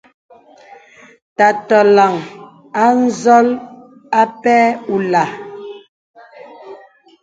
Tà tɔləŋ a n̄zɔl apɛ̂ ùlāā.